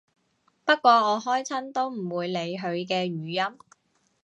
不過我開親都唔會理佢嘅語音